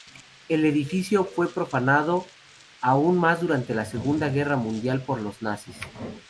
El edificio fue profanado aún más durante la Segunda Guerra Mundial por los nazis.